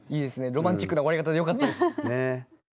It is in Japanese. ロマンチックな終わり方でよかったです。